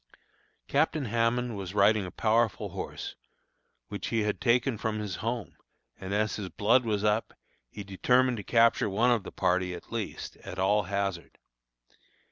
Captain Hammond was riding a powerful horse, which he had taken from his home, and as his blood was up, he determined to capture one of the party at least, at all hazard.